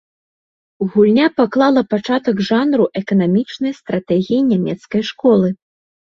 Гульня паклала пачатак жанру эканамічнай стратэгіі нямецкай школы.